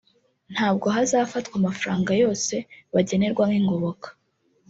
ntabwo hazafatwa amafaranga yose bagenerwa nk’ingoboka